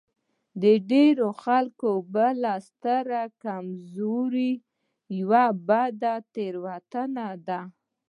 د ډېرو خلکو بله ستره کمزوري يوه بده تېروتنه ده.